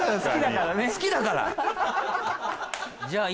好きだからね。